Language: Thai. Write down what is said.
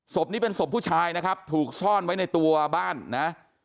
ศพนี้เป็นศพผู้ชายนะครับถูกซ่อนไว้ในตัวบ้านนะ